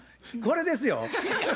これですよ。